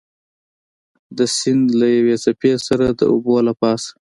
د سیند له یوې څپې سره د اوبو له پاسه.